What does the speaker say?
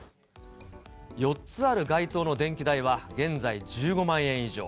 ４つある街灯の電気代は現在１５万円以上。